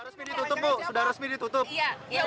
resmi ditutup bu sudah resmi ditutup